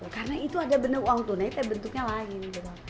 karena itu ada benar uang tunai tapi bentuknya lain